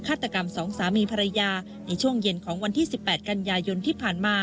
ฆาตกรรมสองสามีภรรยาในช่วงเย็นของวันที่๑๘กันยายนที่ผ่านมา